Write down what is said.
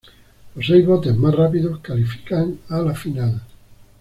Los seis botes más rápidos califican a la final.